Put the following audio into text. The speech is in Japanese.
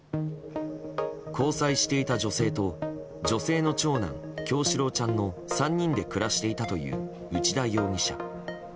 交際していた女性と女性の長男・叶志郎ちゃんの３人で暮らしていたという内田容疑者。